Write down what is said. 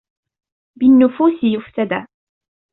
بالنفــــــــــــوسِ يفتــــــــــــــدى